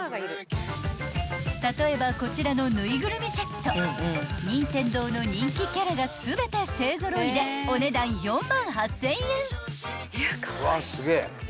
［例えばこちらのぬいぐるみセット任天堂の人気キャラが全て勢揃いでお値段４万８，０００円］